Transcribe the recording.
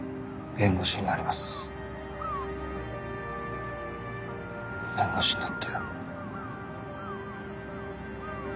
弁護士になって。